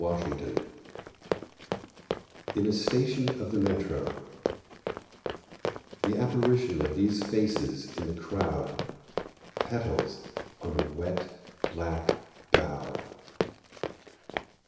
Ezra Pound In a Station of the Metro THE apparition of these faces in the crowd; Petals on a wet, black bough.